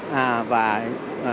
và ngoài ra